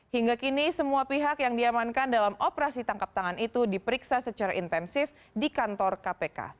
hingga kini semua pihak yang diamankan dalam operasi tangkap tangan itu diperiksa secara intensif di kantor kpk